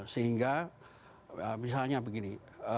sehingga misalnya begini